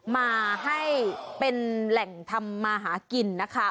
มาให้เป็นแหล่งทำมาหากินนะคะ